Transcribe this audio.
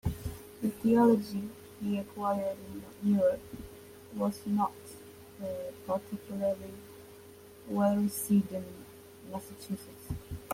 The theology he acquired in Europe was not particularly well received in Massachusetts.